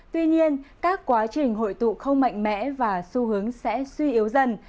tuy nhiên các quá trình hội tụ không mạnh mẽ và xu hướng sẽ suy yếu dần